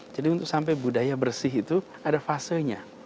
jadi untuk sampai budaya bersih itu ada fasenya